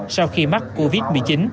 sau khi mắc covid một mươi chín